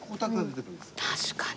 確かに。